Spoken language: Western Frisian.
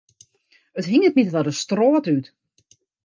It hinget my ta de strôt út.